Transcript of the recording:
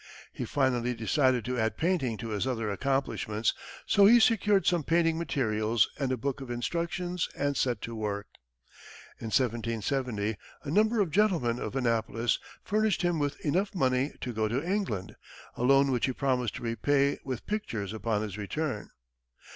He finally decided to add painting to his other accomplishments, so he secured some painting materials and a book of instructions and set to work. In 1770, a number of gentlemen of Annapolis furnished him with enough money to go to England, a loan which he promised to repay with pictures upon his return.